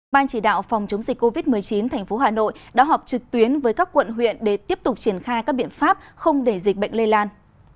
ban chỉ đạo phòng chống dịch covid một mươi chín tp hà nội đã họp trực tuyến với các quận huyện để tiếp tục triển khai các biện pháp không để dịch bệnh lây lan